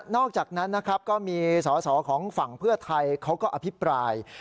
นอกจากนั้นก็มีสสของฝั่งเพื่อไทยเขาก็อภิพราย